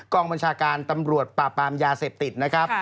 กองบัญชาการตำรวจปราบปรามยาเสพติดนะครับ